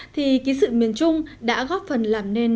thì ký sự miền trung đã góp phần làm nên